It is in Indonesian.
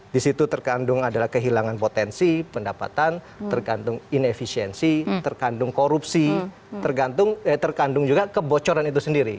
di situ terkandung adalah kehilangan potensi pendapatan tergantung inefisiensi terkandung korupsi terkandung juga kebocoran itu sendiri